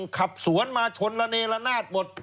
ขับสวนมาชนระเนละนาดหมด